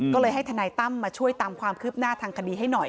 ก็เลยให้ทนายตั้มมาช่วยตามความคืบหน้าทางคดีให้หน่อย